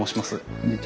こんにちは。